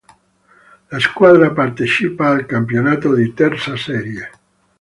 La squadra partecipa al campionato di terza serie.